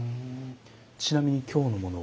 ちなみに今日のものは？